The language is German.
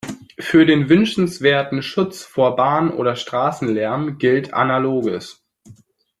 Für den wünschenswerten Schutz vor Bahn- oder Straßenlärm gilt analoges.